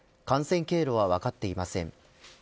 感染経路は分かっていません。